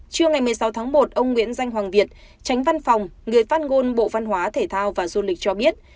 trưa ngày một mươi sáu tháng một ông nguyễn danh hoàng việt tránh văn phòng người phát ngôn bộ văn hóa thể thao và du lịch cho biết